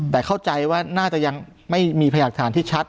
แต่เข้าใจว่าน่าจะยังไม่มีพยากฐานที่ชัด